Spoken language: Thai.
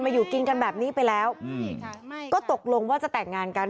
อยู่กินกันแบบนี้ไปแล้วก็ตกลงว่าจะแต่งงานกัน